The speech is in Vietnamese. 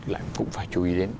lại cũng phải chú ý đến